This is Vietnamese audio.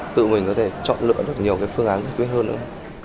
tự mình có thể chọn lựa được nhiều cái phương án giải quyết hơn nữa